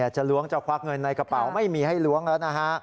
จะล้วงจะควักเงินในกระเป๋าไม่มีให้ล้วงแล้วนะฮะ